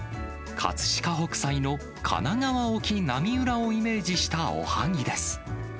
葛飾北斎の神奈川沖なみうらをイメージしたおはぎです。